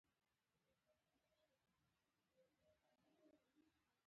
دوی د برېټانوي کمپنۍ له حاکمیت څخه خلاصون غوښته.